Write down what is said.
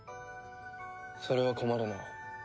それは困るな。